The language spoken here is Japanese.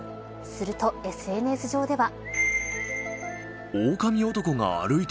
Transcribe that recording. するとＳＮＳ上では。